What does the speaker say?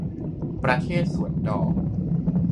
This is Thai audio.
ประเทศสวนดอก